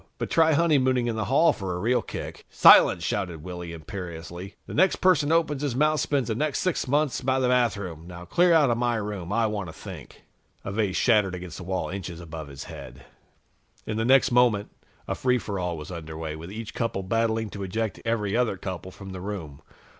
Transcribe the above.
But try honeymooning in the hall for a real kick." "Silence!" shouted Willy imperiously. "The next person who opens his mouth spends the next sixth months by the bathroom. Now clear out of my room. I want to think." A vase shattered against the wall, inches above his head. In the next moment, a free for all was under way, with each couple battling to eject every other couple from the room.